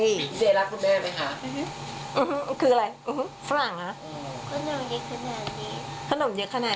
พี่เจ๋รักคุณแม่ไหมคะ